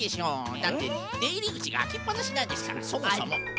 だってでいりぐちがあきっぱなしなんですからそもそも。